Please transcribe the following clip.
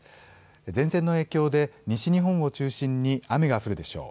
前線の影響で西日本を中心に雨が降るでしょう。